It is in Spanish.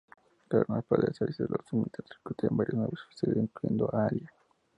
Con la paz restablecida, los Hunters reclutan varios nuevos oficiales, incluyendo a Alia.